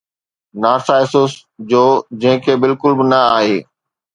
Narcissus جو، جنهن کي بلڪل به نه آهي.